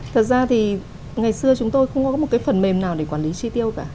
thật ra thì ngày xưa chúng tôi không có một cái phần mềm nào để quản lý chi tiêu cả